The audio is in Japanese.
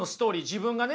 自分がね